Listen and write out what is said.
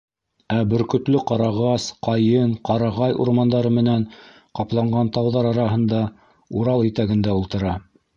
Ә Бөркөтлө ҡарағас, ҡайын, ҡарағай урмандары менән ҡапланған тауҙар араһында - Урал итәгендә ултыра.